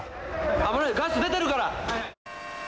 危ない、ガス出てるから。